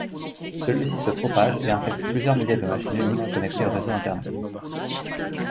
Celui-ci se propage et infecte plusieurs milliers de machines Unix connectées au réseau Internet.